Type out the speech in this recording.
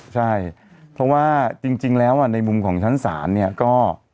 ใช่เพราะว่าจริงแล้วในมุมของชั้นศาลเนี่ยก็